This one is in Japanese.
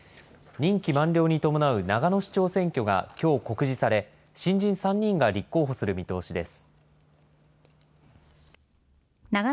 任期満了に伴う長野市長選挙が、きょう告示され、新人３人が立候補する見通しです。